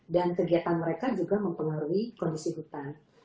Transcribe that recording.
dan kegiatan mereka juga mempengaruhi kondisi hutan